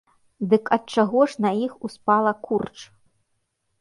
Дык ад чаго ж на іх успала курч?